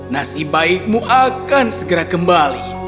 nasib baikmu akan segera kembali